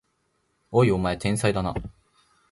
おい、お前天才だな！